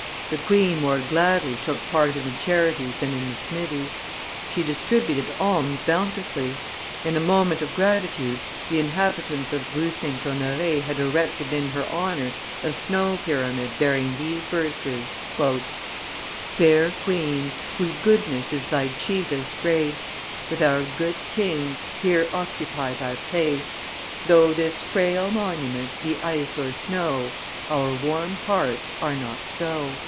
The queen more gladly took part in the charities than in the smithy. She distributed alms bountifully; in a moment of gratitude the inhabitants of Rue St. Honore had erected in her honor a snow pyramid bearing these verses: Fair queen, whose goodness is thy chiefest grace, With our good king, here occupy thy place; Though this frail monument be ice or snow, Our warm hearts are not so.